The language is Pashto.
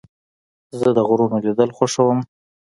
زه د غرونو لیدل خوښوم.